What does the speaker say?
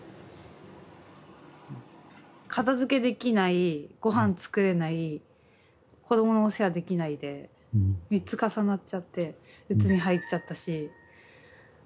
片づけできないごはん作れない子どものお世話できないで３つ重なっちゃってやばくて。